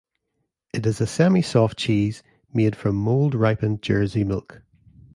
It is a semi-soft cheese, made from mould-ripened Jersey milk.